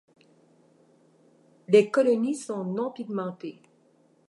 Les colonies sont non pigmentées.